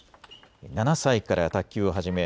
７歳から卓球を始め